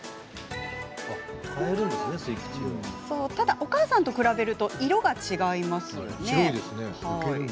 ただ、お母さんと比べると色が違いますよね。